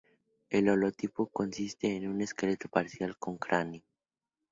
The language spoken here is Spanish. El holotipo consiste de un esqueleto parcial con cráneo.